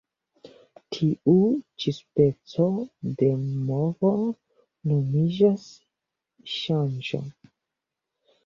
Tiu ĉi speco de movo nomiĝas ŝanĝo.